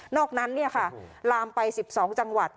อกนั้นลามไป๑๒จังหวัด